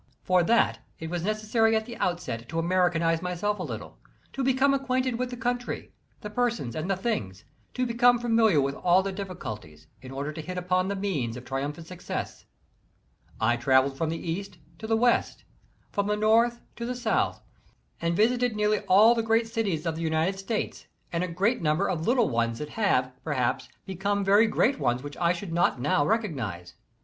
For that it was necessary at the outset to Americanize myself a little, to become acquainted with the country, the persons and the things, to become familiar with all the difficulties in order to hit upon the means of triumphant success. I traveled from the East to the West, from the North to the South, and visited nearly all the great cities of the United States and a great number of little ones that have, perhaps, become very great ones which I should not now recognize.